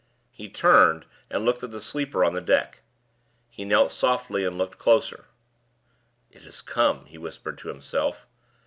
He turned, and looked at the sleeper on the deck. He knelt softly, and looked closer. "It has come!" he whispered to himself.